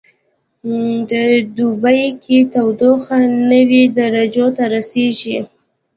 په دوبي کې تودوخه نوي درجو ته رسیږي